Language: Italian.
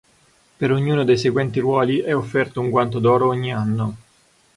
Per ognuno dei seguenti ruoli è offerto un guanto d'oro ogni anno.